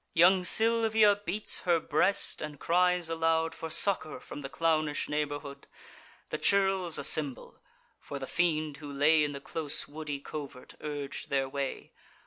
Young Silvia beats her breast, and cries aloud For succour from the clownish neighbourhood: The churls assemble; for the fiend, who lay In the close woody covert, urg'd their way.